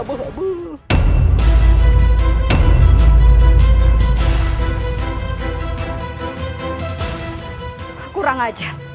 aku kurang ajar